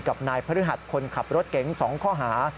กับนายพฤหัสคนขับรถเก๋ง๒ข้อหา